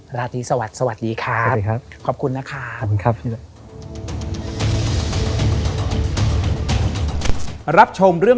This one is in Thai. หลัดดีสวัสดีสวัสดีครับ